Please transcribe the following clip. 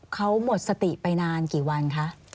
เขาหมดสติไปนานกี่วันคะ